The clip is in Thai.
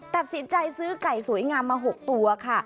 ตัดสินใจซื้อไก่สวยงามมา๖ตัวค่ะ